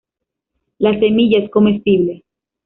La semilla es comestible.